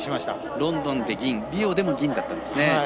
ロンドンで銀リオでも銀だったんですね。